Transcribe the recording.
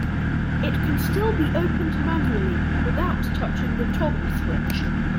It can still be opened manually without touching the toggle switch.